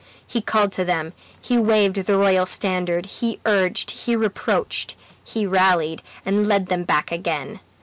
He called to them, he waved the royal standard, he urged, he reproached, he rallied, and led them back again.